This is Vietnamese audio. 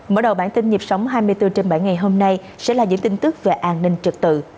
mở đầu bản tin nhịp sống hai mươi bốn trên bảy ngày hôm nay sẽ là những tin tức về an ninh trật tự